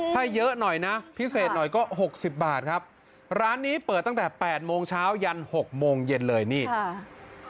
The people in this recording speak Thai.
ถ้าเยอะหน่อยนะพิเศษหน่อยก็หกสิบบาทครับร้านนี้เปิดตั้งแต่แปดโมงเช้ายันหกโมงเย็นเลยนี่ค่ะ